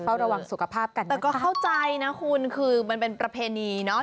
ระวังสุขภาพกันแต่ก็เข้าใจนะคุณคือมันเป็นประเพณีเนอะ